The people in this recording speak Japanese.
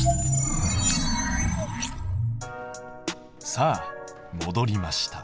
さあもどりました。